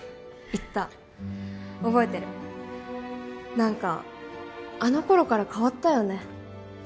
言った覚えてる何かあの頃から変わったよね